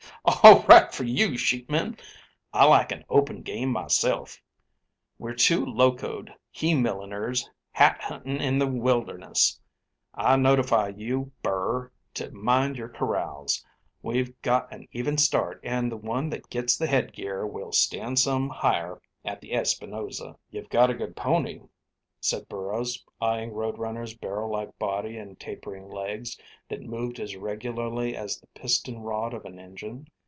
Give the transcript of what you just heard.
"All right for you, sheepman. I like an open game, myself. We're two locoed he milliners hat hunting in the wilderness. I notify you. Burr, to mind your corrals. We've got an even start, and the one that gets the headgear will stand some higher at the Espinosa." "You've got a good pony," said Burrows, eyeing Road Runner's barrel like body and tapering legs that moved as regularly as the pistonrod of an engine.